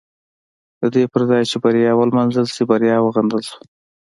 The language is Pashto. د دې پر ځای چې بریا ونمانځل شي بریا وغندل شوه.